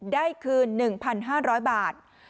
ได้คืน๑๕๐๐บาท